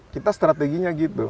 kita strateginya gitu